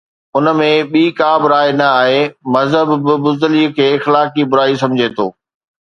ان ۾ ٻي ڪا به راءِ نه آهي، مذهب به بزدلي کي اخلاقي برائي سمجهي ٿو.